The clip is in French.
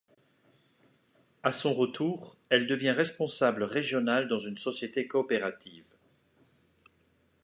À son retour, elle devient responsable régionale dans une société coopérative.